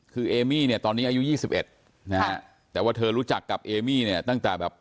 คือเอมี่เนี่ยตอนนี้อายุ๒๑นะฮะแต่ว่าเธอรู้จักกับเอมี่เนี่ยตั้งแต่แบบ